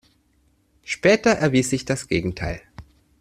Später erwies sich das Gegenteil.